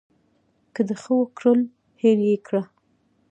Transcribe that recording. که د ښه وکړل هېر یې کړه .